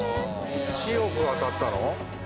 １億当たったの？